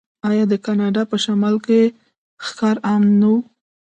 آیا د کاناډا په شمال کې ښکار عام نه و؟